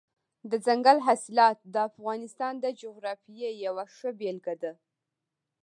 دځنګل حاصلات د افغانستان د جغرافیې یوه ښه بېلګه ده.